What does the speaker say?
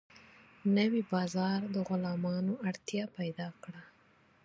نوی بازار د غلامانو اړتیا پیدا کړه.